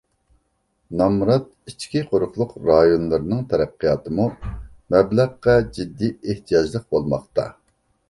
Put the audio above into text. نامرات ئىچكى قۇرۇقلۇق رايونلىرىنىڭ تەرەققىياتىمۇ مەبلەغقە جىددىي ئېھتىياجلىق بولماقتا.